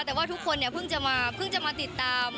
แต่ว่าทุกคนเนี่ยเพิ่งจะมาติดตาม